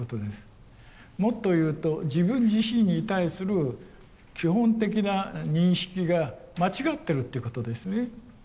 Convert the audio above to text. もっと言うと自分自身に対する基本的な認識が間違ってるってことですね。